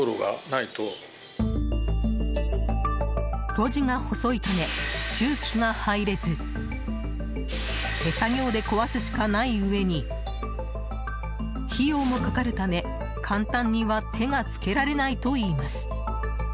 路地が細いため、重機が入れず手作業で壊すしかないうえに費用もかかるため、簡単には手がつけられないといいます。